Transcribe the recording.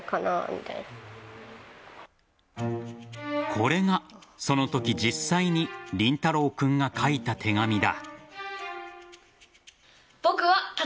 これが、そのとき実際に凛太郎君が書いた手紙だ。